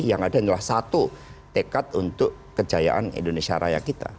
yang ada adalah satu tekad untuk kejayaan indonesia raya kita